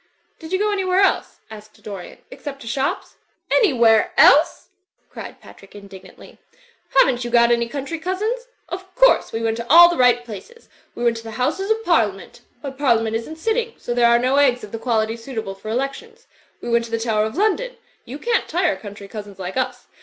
"Did you go an3nvhere else/' asked Dorian, "except to shops?'' "Anywhere else!" cried Patrick, Indignantly, "haven't you got any country cousins? Of course we went to all the right places. We went to the Houses u,y,u.«u by Google 294 THE FLYING INN of Parliament. But Parliament isn't sitting; so there are no eggs of the quality suitable for elections. We went to the Tower of London — ^you can't tire country cousins like us.